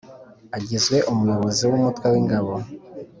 agizwe Umuyobozi w Umutwe w Ingabo